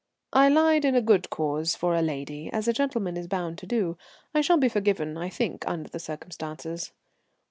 I lied in a good cause, for a lady, as a gentleman is bound to do. I shall be forgiven, I think, under the circumstances.